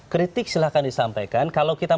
kritik silahkan disampaikan kalau kita